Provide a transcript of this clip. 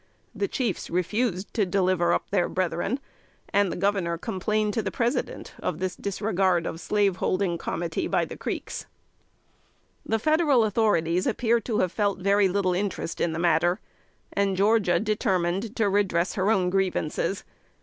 The chiefs refused to deliver up their brethren, and the Governor complained to the President of this disregard of slaveholding comity by the Creeks. The Federal authorities appear to have felt very little interest in the matter, and Georgia determined to redress her own grievances.